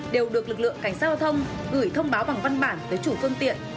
đều được lực lượng cảnh sát giao thông gửi thông báo bằng văn bản tới chủ phương tiện